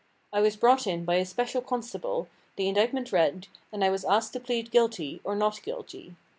I was brought in by a special constable, the indictment read, and I was asked to plead guilty, or not guilty.